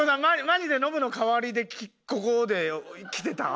マジでノブの代わりでここで来てた？